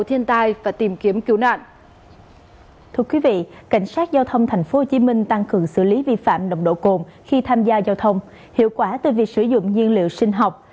thưa quý vị cảnh sát giao thông tp hcm tăng cường xử lý vi phạm nồng độ cồn khi tham gia giao thông hiệu quả từ việc sử dụng nhiên liệu sinh học